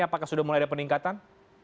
apakah sudah mulai ada peningkatan